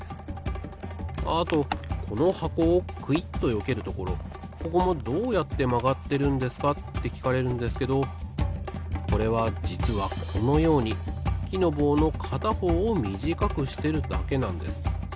ああとこのはこをクイッとよけるところここもどうやってまがってるんですかってきかれるんですけどこれはじつはこのようにきのぼうのかたほうをみじかくしてるだけなんです。